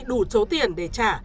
đủ số tiền để trả